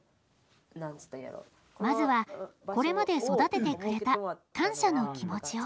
まずはこれまで育ててくれた感謝の気持ちを。